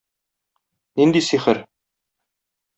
Нинди сихер?